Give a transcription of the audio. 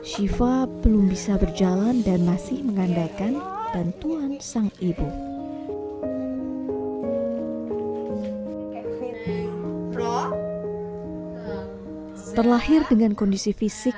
shiva belum bisa berjalan dan masih mengandalkan bantuan sang ibu terlahir dengan kondisi fisik